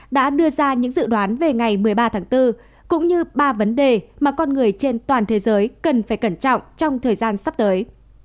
đã đưa ra những dự đoán về ngày một mươi ba tháng bốn cũng như ba vấn đề mà con người trên toàn thế giới cần phải cẩn trọng trong thời gian sắp tới